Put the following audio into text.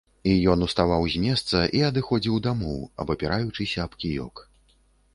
І ён уставаў з месца і адыходзіў дамоў, абапіраючыся аб кіёк.